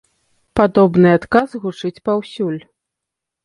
Падобны адказ гучыць паўсюль.